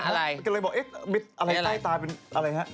ก็เลยบอกอะไรใต้ตาเป็นอะไรฮะ